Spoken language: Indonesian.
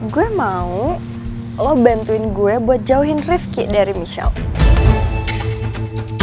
gue mau lo bantuin gue buat jauhin rifki dari michelle